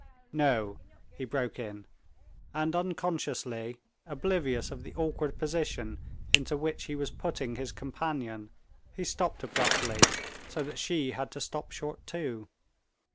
"No," he broke in, and unconsciously, oblivious of the awkward position into which he was putting his companion, he stopped abruptly, so that she had to stop short too.